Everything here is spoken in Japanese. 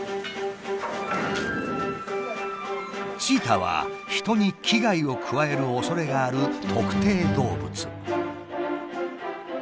チーターは人に危害を加えるおそれがある特定動物。